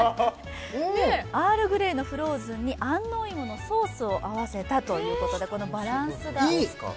アールグレーのフローズンに安納芋のソースを合わせたということでこのバランスがいいですね。